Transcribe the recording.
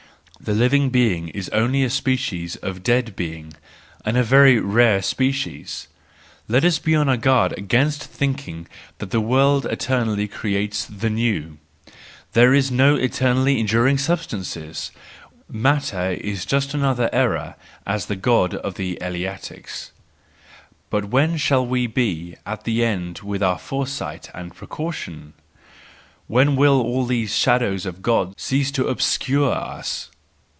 The living being is only a species of dead being, and a very rare species. — Let us be on our guard against thinking that the world eternally creates the new. There are no eternally enduring substances ; matter is just another such error as the God of the Eleatics. But when shall we be at an end with our foresight and precaution! When will all these shadows of God cease to obscure us